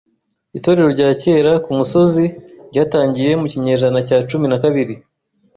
Itorero rya kera kumusozi ryatangiye mu kinyejana cya cumi na kabiri.